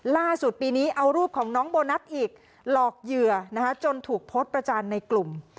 ล่าสุดปีนี้เอารูปของน้องโบนัสอีกหลอกเหยื่อจนถูกโพสต์ประจานในกลุ่ม